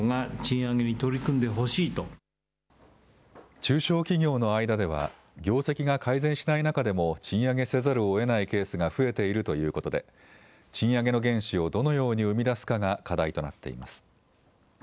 中小企業の間では業績が改善しない中でも賃上げせざるをえないケースが増えているということで賃上げの原資をどのように生み出すかが課題となっています。